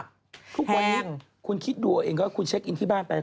ทุกวันนี้คุณคิดดูเอาเองก็คุณเช็คอินที่บ้านไป